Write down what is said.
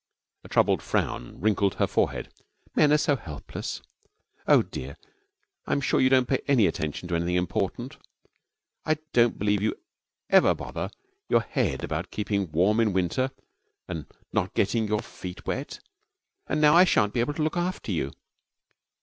A troubled frown wrinkled her forehead. 'Men are so helpless! Oh, dear, I'm sure you don't pay any attention to anything important. I don't believe you ever bother your head about keeping warm in winter and not getting your feet wet. And now I shan't be able to look after you!'